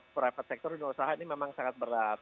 private sector dunia usaha ini memang sangat berat